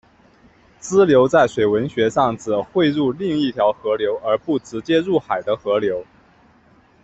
支流在水文学上指汇入另一条河流而不直接入海的河流。